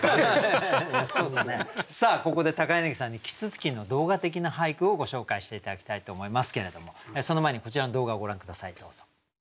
ここで柳さんに啄木鳥の動画的な俳句をご紹介して頂きたいと思いますけれどもその前にこちらの動画をご覧下さいどうぞ。